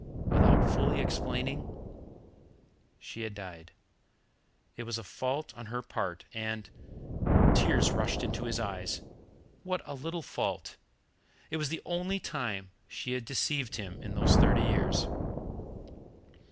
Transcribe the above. Without fully explaining, she had died. It was a fault on her part, and tears rushed into his eyes what a little fault! It was the only time she had deceived him in those thirty years.